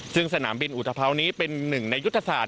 ซึ่งสนามบินอุทธภาวนี้เป็นหนึ่งในยุทธศาสต